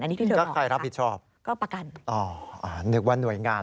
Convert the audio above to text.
อันนี้ที่เธอบอกค่ะก็ประกันอ๋อนึกว่าหน่วยงาน